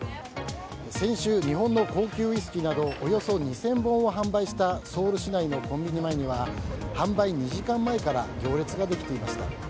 先週、日本の高級ウイスキーなどおよそ２０００本を販売したソウル市内のコンビニ前には販売２時間前から行列ができていました。